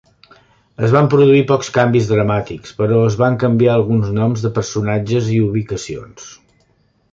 Es van produir pocs canvis dramàtics, però es van canviar alguns noms de personatges i ubicacions.